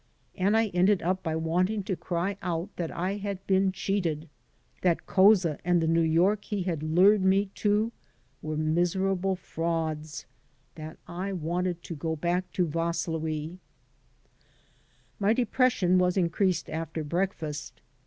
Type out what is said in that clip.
And I ended up by wanting to cry out that I had been cheated, that Couza and the New York he had lured me to were miserable frauds, that I wanted to go back to Vaslui. My depression was increased after breakfast.